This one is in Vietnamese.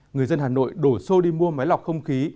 người dân hà nội đổ xô đi mua máy lọc không khí